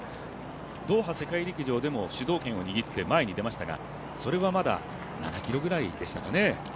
ドーハ世界陸上でも主導権を握って前に出ましたがそれはまだ、７ｋｍぐらいでしたかね。